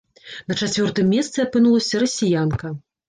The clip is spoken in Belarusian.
На чацвёртым месцы апынулася расіянка.